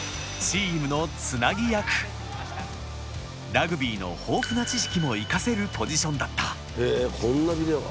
ラグビーの豊富な知識も生かせるポジションだった。